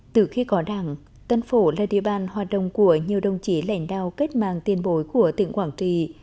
từ khi có đảng tân phổ là địa bàn hoạt động của nhiều đồng chí lãnh đạo kết mạng tiền bổi của tỉnh quảng trì